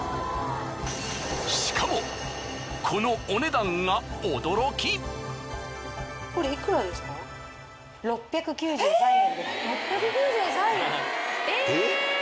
しかもこのお値段が６９３円！？